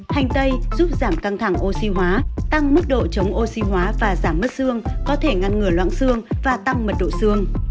hành tây giúp giảm căng thẳng oxy hóa tăng mức độ chống oxy hóa và giảm mất xương có thể ngăn ngừa loạn xương và tăng mật độ xương